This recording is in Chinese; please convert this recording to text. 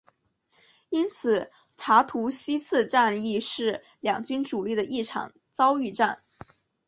因此查图西茨战役是两军主力的一场遭遇战。